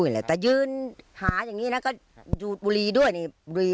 แต่ยืนหาอย่างงี้น่ะก็ยูดบุรีด้วยนี่บุรี